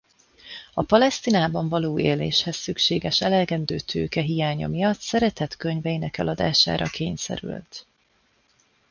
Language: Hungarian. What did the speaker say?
A Palesztinában való éléshez szükséges elegendő tőke hiánya miatt szeretett könyveinek eladására kényszerült.